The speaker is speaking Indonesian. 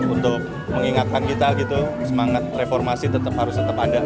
untuk mengingatkan kita gitu semangat reformasi tetap harus tetap ada